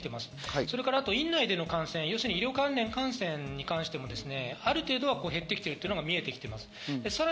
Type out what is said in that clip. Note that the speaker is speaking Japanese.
それから院内での感染、医療関連感染に関してもある程度、減ってきているのが見えてきています。